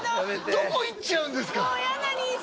どこいっちゃうんですか？